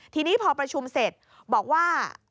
ทีนี้พอประชุมเสร็จบอกว่า